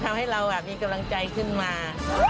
ทำให้เรามีกำลังใจขึ้นมา